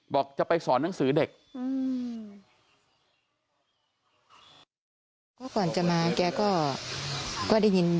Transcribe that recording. บอกจะไปสอนหนังสือเด็กอืม